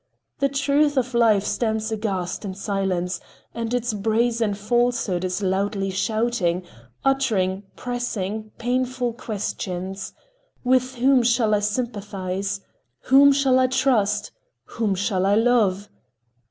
The truth of life stands aghast in silence, and its brazen falsehood is loudly shouting, uttering pressing, painful questions: "With whom shall I sympathize? Whom shall I trust? Whom shall I love?"